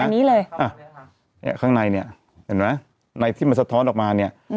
อันนี้เลยอ่ะเนี่ยข้างในเนี่ยเห็นไหมในที่มันสะท้อนออกมาเนี่ย